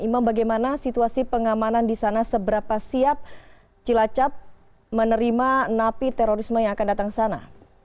imam bagaimana situasi pengamanan di sana seberapa siap cilacap menerima napi terorisme yang akan datang ke sana